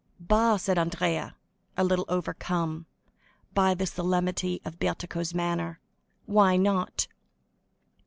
"Bah," said Andrea, a little overcome, by the solemnity of Bertuccio's manner, "why not?"